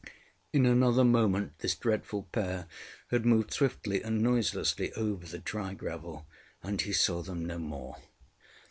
In another moment this dreadful pair had moved swiftly and noiselessly over the dry gravel, and he saw them no more.